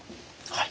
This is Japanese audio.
はい。